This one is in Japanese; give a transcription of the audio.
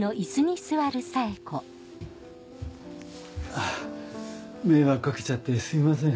あっ迷惑かけちゃってすいません。